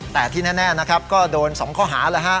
แต่ที่แน่นะครับก็โดน๒ข้อหาแล้วฮะ